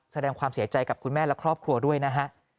แสดงความเสียใจกับคุณแม่และครอบครัวด้วยนะฮะ